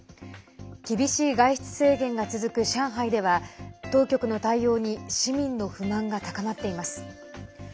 厳しい外出制限が続く上海では当局の対応に市民の不満が高まっています。